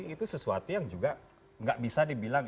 itu sesuatu yang juga nggak bisa dibilang